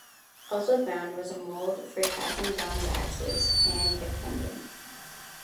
Also found was a mould for casting bronze axes, and a pendant.